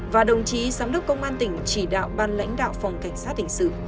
và đồng chí giám đốc công an tỉnh chỉ đạo ban lãnh đạo phòng cảnh sát hình sự